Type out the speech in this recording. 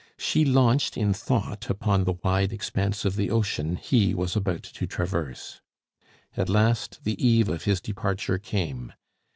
She launched in thought upon the wide expanse of the ocean he was about to traverse. At last the eve of his departure came.